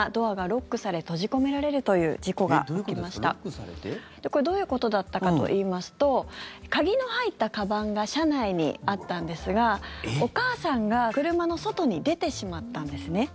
ロックされて？どういうことだったかといいますと鍵の入ったかばんが車内にあったんですがお母さんが車の外に出てしまったんですね。